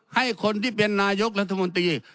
ให้คนที่เป็นนายกรัฐมนตรี